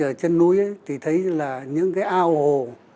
ở chân núi thì thấy là những cái ao hồ